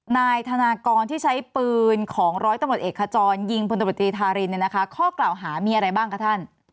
นายธนากรที่ใช้ปืนของร้อยตำรวจเอกขจรยิงพลตมติธารินข้อกล่าวหามีอะไรบ้างคะท่าน